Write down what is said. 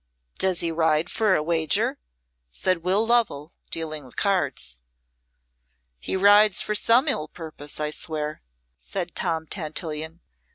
"Does he ride for a wager?" said Will Lovell, dealing the cards. "He rides for some ill purpose, I swear," said Tom Tantillion.